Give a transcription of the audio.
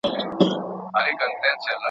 خپل ټبرشو را په یاد جهان مي هیر سو.